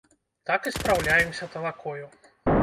Так і спраўляемся талакою.